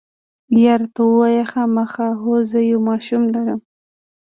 یا، راته ووایه، خامخا؟ هو، زه یو ماشوم لرم.